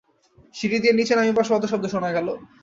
সিঁড়ি দিয়া নীচে নামিবার পদশব্দ শোনা গেল।